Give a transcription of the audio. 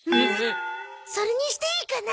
それにしていいかな？